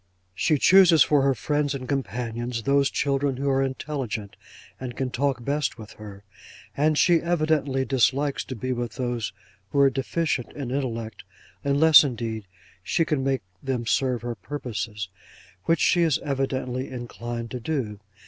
'She chooses for her friends and companions, those children who are intelligent, and can talk best with her; and she evidently dislikes to be with those who are deficient in intellect, unless, indeed, she can make them serve her purposes, which she is evidently inclined to do.